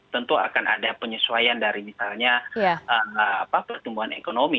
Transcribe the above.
tentu akan ada penyesuaian dari misalnya pertumbuhan ekonomi